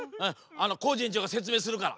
コージえんちょうがせつめいするから。